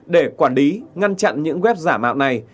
để quản lý ngăn chặn những web giả mạo này